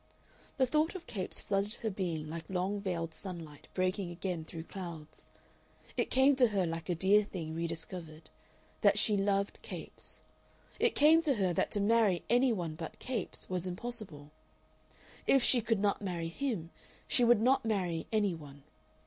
The thought of Capes flooded her being like long veiled sunlight breaking again through clouds. It came to her like a dear thing rediscovered, that she loved Capes. It came to her that to marry any one but Capes was impossible. If she could not marry him, she would not marry any one.